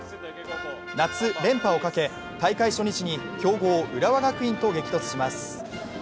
夏連覇をかけ、大会初日に強豪・浦和学院と激突します。